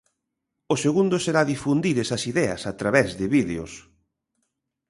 O segundo será difundir esas ideas a través de vídeos.